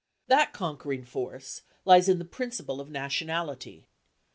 That conquering force lies in the principle of nationality.